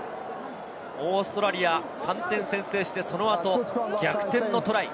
オーストラリア、３点先制して、その後逆転のトライ。